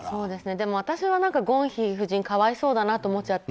でも、私はゴンヒ夫人が可哀想だなと思っちゃって。